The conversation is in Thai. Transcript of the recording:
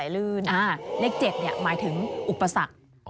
เลข๗หมายถึงอุปสรรค